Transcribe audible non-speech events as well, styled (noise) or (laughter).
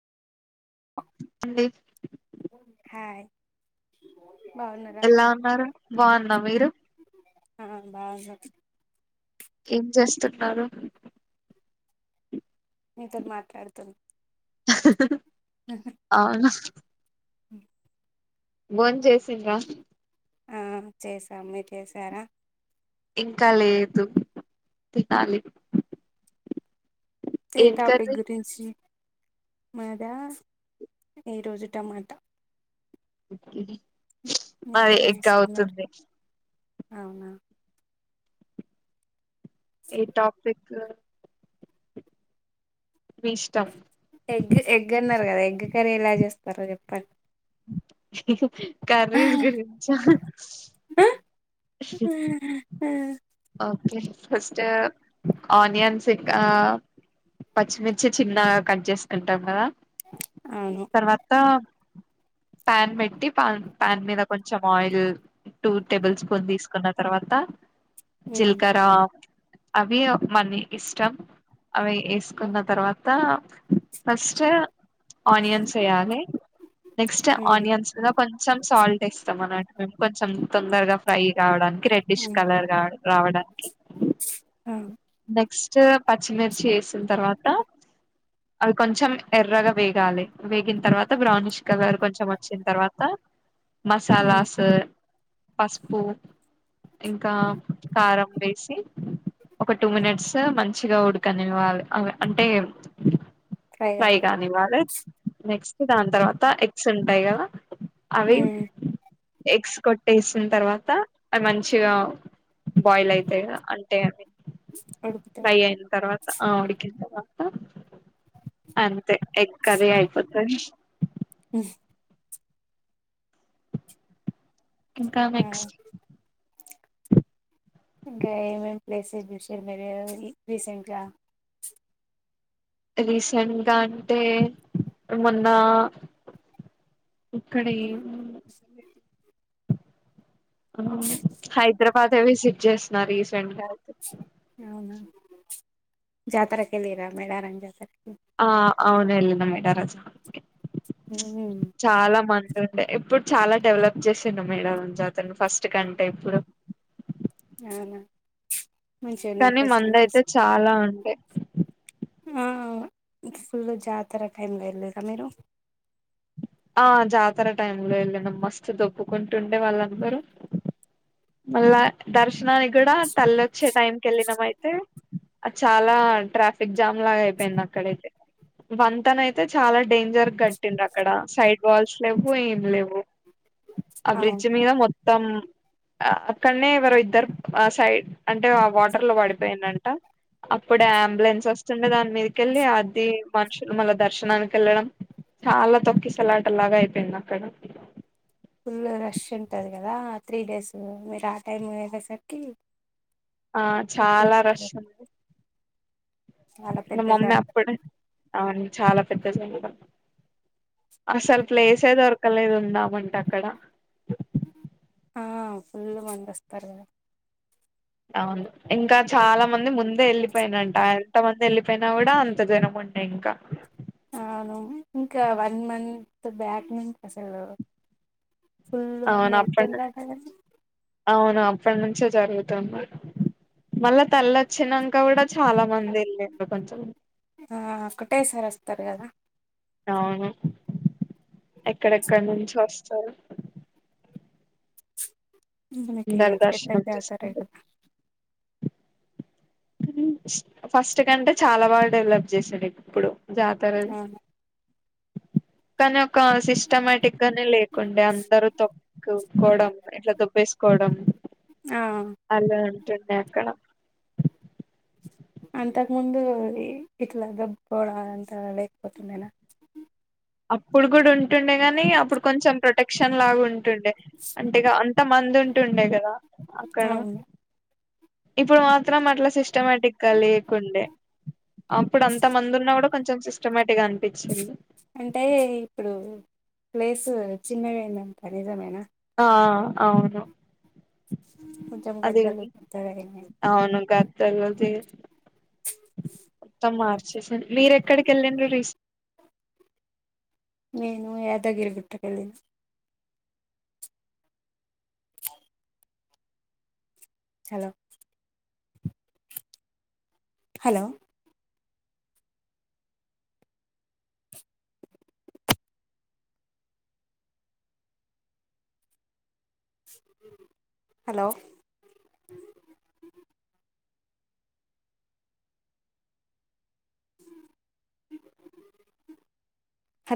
అండి హాయ్ (inaudible) ఎలా ఉన్నారు బాగున్న మీరు బాగుంన్నా ఏం చేస్తున్నారు మీతో మాట్లాడుతున (inaudible) అవునా ఉం బోన్ చేస్ సిర్రా ఆ చేసా మీ చేసారా ఇంకా లేదు తినాలి ఏ ఏం టాపిక్ కర్రీ గురించి మాదా ఈ రోజు టమాట కే అది మీరేం ఎగ్గ చేస్తున్నారు అవుతుంది అవునా ఈ టాపిక్ ఇష్టం ఎగ్ ఎగ్ అన్నారు కదా ఎగ్ కర్రీ ఎలా చేస్తారో చెప్పండి కర్రీస్ గురించ (inaudible) ఓకే ఫస్ట్ ఆనియన్స్ ఇంకా పచ్చిమిర్చి చిన్నగా కట్ చేసుకుంటాం కదా అవును తర్వాత ప్యాన్ పెట్టి పాన్ ప్యాన్ మీద కొంచెం ఆయిల్ టూ టేబుల్ స్పూన్ తీసుకున్న తర్వాత ఉమ్, జిల్కరా అవి మని ఇష్టం అవి వేసుకున్న తర్వాత ఫస్ట్ ఆనియన్స్ వేయాలి నెక్స్ట్ ఉమ్, ఆనియన్స్ మీద కొం కొంచెం సాల్ట్ ఇస్తాం అనటు మే కొంచెం తొందరగా ఫ్రై కావడానికి రెడ్డిష్ ఉమ్, కలర్ గాడ్ రావడానికి ఆ, నెక్స్ట్ పచ్చిమిర్చి వేసిన తర్వాత అది కొంచెం ఎర్రగా వేగాలి. వేగిన తర్వాత బ్రౌనిష్ కలర్ కొంచెం వచ్చిన తర్వాత, ఉమ్, మసాలాస్ పసుపు ఇంకా కారం బేసి ఒక టూ మినిట్స్ మంచిగా ఉడకనివ్వాలి అవి అంటే ఫ్రై కానివాలె నెక్స్ట్ దాని తర్వాత ఎగ్స్ ఉంటయ్ కదా అవి ఉమ్, ఎగ్స్ కొట్టేసిన తర్వాత అది మంచిగా బాయిల్ అయితే అంటే అవి ఉడుకుతాయి ప్రై అయిన తర్వాత ఆ ఉడికి అంతే ఎగ్ కర్రీ అయిపోతది మ్మ్ ఇంకా ఆ, నెక్స్ట్ ఇంకా ఏమేమి ప్లేసెస్ చూసిర్రు మీరు ఎ రీసెంట్ గా రీసెంట్గా అంటే మొన్న ఇక్కడ ఏమున్ వదల్లేదు హైదరాబాద్ విజిట్ చేసిన రీసెంట్ అయితే ప్చ్ జాతర కెళ్లిరా మేడారం జాతర ఆ అవును ఎళ్ళినం మేడారం జాతర ఉమ్, చాలా మంద్ ఉండే ఇప్పుడు చాలా డెవలప్ చేసిండు మేడారం జాతరను ఫస్ట్ కంటే ఇప్పుడు అవునా మంచిగున్నాయా కానీ మంద అయితే ఫెసిలిటీస్ చాలా ఉండే ఆ ఫుల్ జాతర టైమ్ లా వెళ్ళిర్రా మీరు ఆ జాతర టైమ్ లో వెళ్ళినం మస్తు దొప్పుకుంటుండే వాళ్ళందరూ మళ్ళా దర్శనానికి కూడా తల్లి వచ్చే టైం కి వెళ్ళినం అయితే అ చాలా ట్రాఫిక్ జామ్ లాగా అయిపోయింది అక్కడైతే, వంతెన అయితే చాలా డేంజర్ గట్టిండ్రు అక్కడ సైడ్ వాల్స్ లేవు ఏం లెవు. ఆ బ్రిడ్జ్ మీద మొత్తం ఆ అక్కడనే ఎవరో ఇద్దరు ఆ సైడ్ అంటే ఆ వాటర్లో పడిపోయిండంట. అప్పుడే అంబులెన్స్ వస్తుండే దాని మీదకెళ్ళి అది మనుషులు మళ్ళ దర్శనానికి వెళ్ళడం చాలా తొక్కిసలాటలాగా అయి పేయింది అక్కడ, ఫుల్ రష్ ఉంటది కదా త్రీ డేస్ మీరు ఆ టైం వేళ్ళేసరికి ఆ చాలా రష్ ఉంది చాలా మ పెద్ద మమ్మీ జాతర అప్పుడే అవును చాలా పెద్ద జాతర. ఆ ఫుల్ మంది వస్తారు కదా అవును ఇంకా చాలా మంది ముందే వెళ్ళిపోయినంట ఎంత మంది వెళ్ళిపోయినా కూడా అంత జనం ఉండే ఇంకా అవును ఇంకా వన్ మంత్ బ్యాక్ నుంచి అసలు ఫుల్ మంది అవును అప్పటి ఎళ్తుందట కదా అవును అప్పటి నుంచే జరుగుతున్నాయి మళ్ళా తల్లిొచ్చానాక్క కూడా చాలా మంది వెళ్ళారు కొంచెం ఆ ఒకటే సార్ వస్తారు కదా అవును ఎక్కడెక్కడ నుంచి వస్ స్తారు మనకి అందరు పెద్ద దర్శనం జాతర ఈ చేసుకుంటారు ఫస్ట్ కంటే చాలా బాగా డెవలప్ చేసిండు ఇప్పుడు జాతర అవును కనీ ఒ క సిస్టమటిక్ గానే లేకుండే అందరూ తప్పుకోవడం ఇట్లా దుబ్బేసుకోవడం ఆ అలా న్నాక అంతకు ముందు ఇట్లా దబ్బుకోవడం లేకపోతుండేనా అప్పుడు కూడా ఉన్ టుండే గాని అప్పుడు కొంచెం ప్రొటెక్షన్ లాగా ఉంటుండే అంటేగా అంత మంది ఉంటుండే కదా అక్కడ అవును ఇప్పుడు మాత్రం అట్లా సిస్ స్టమేటిక్ గా లేకుండే అప్పుడు అంత మంది ఉన్నా కూడా కొం చెం సిస్టమేటిక్ గా అనిపించింది అంటే ఇప్పుడు ప్లేస్ చిన్నగయిందంట నిజమేనా ఆ అవును కొంచెం గద్దలు కొత్తగాయినాయి తరువాతే మొత్తం మార్చేసి మీరూ ఎక్కడికి వెళ్ళండ్రు రీసె నేను యాదగిరిగుట్టకు వెళ్ళిన్ హలో హలో హలో (unintelligible)